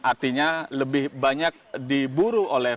artinya lebih banyak diburu oleh